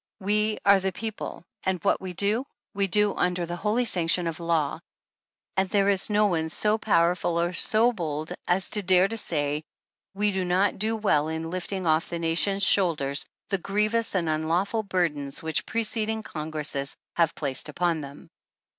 "We are the people and w'hat we do, we do under the holy sanction of law*, and there is no one so powerful or so bold as to dare to say we do not do w^ell in lifting off the nation's shoulders the grievous and unlawful burdens w^hich preceding Congresses have placed upon them."